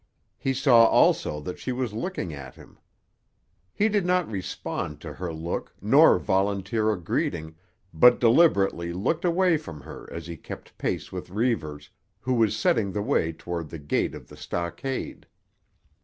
He saw also that she was looking at him. He did not respond to her look nor volunteer a greeting, but deliberately looked away from her as he kept pace with Reivers, who was setting the way toward the gate of the stockade.